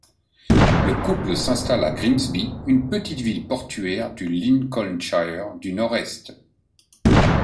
Le couple s’installe à Grimsby, une petite ville portuaire du Lincolnshire du Nord-Est.